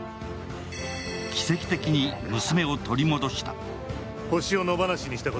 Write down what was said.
奇跡的に娘を取り戻した。